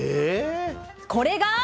これが。